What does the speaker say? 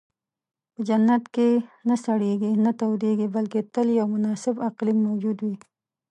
په جنت کې نه سړېږي، نه تودېږي، بلکې تل یو مناسب اقلیم موجود وي.